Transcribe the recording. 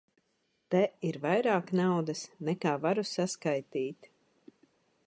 Te ir vairāk naudas, nekā varu saskaitīt.